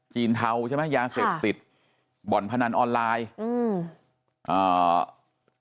จีนเทาใช่ไหมยาเสพติดบ่อนพนันออนไลน์